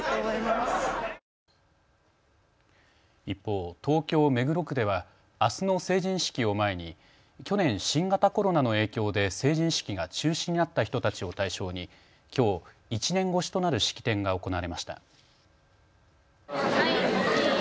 一方、東京目黒区ではあすの成人式を前に去年、新型コロナの影響で成人式が中止になった人たちを対象にきょう１年越しとなる式典が行われました。